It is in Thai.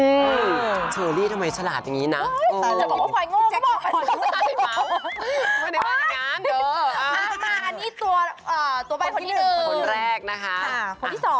เออโชรี่ทำไมชะลาดอย่างนี้นะเออเออ